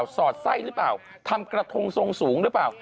สอดไส้หรือเปล่าทำกระทงทรงสูงหรือเปล่า